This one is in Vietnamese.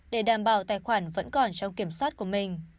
để đảm bảo tài khoản vẫn còn trong kiểm soát của mình